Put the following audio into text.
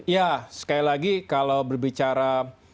ya sekali lagi kalau berbicara